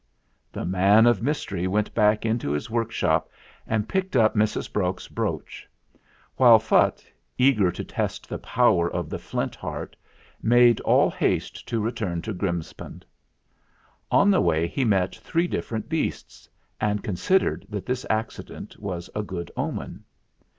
The man of mystery went back into his workshop and picked up Mrs. Brok's brooch; while Phutt, eager to test the power of the Flint Heart, made all haste to return to Grims pound. On the way he met three different beasts, and considered that this accident was a good omen.